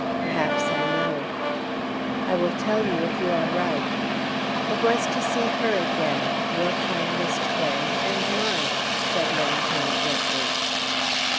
"Perhaps I know." "I will tell you if you are right." "It was to see her again your kindest friend and mine," said Langholm, gently.